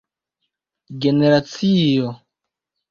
generacio